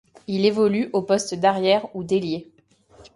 Il évolue aux postes d'arrière ou d'ailier.